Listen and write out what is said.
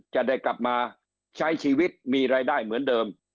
จะได้กลับมาใช้ชีวิตมีรายได้เหมือนเดิม